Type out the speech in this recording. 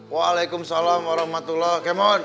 waalaikumsalam warahmatullahi wabarakatuh